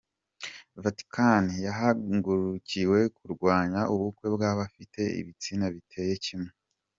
Vatikani yahagurukiye kurwanya ubukwe bw’abafite ibitsina biteye kimwe